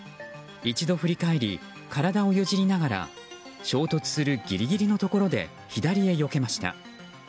一度振り返り、体をよじりながら衝突するギリギリのところで左へよけました。